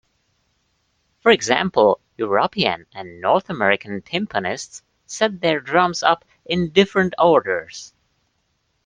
For example, European and North American timpanists set their drums up in different orders.